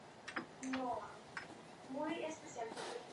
Ésta es una de las muchas teorías sobre cuándo apareció la segunda grieta.